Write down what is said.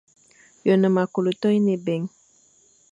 Ye one me kôlo toyine ébèign.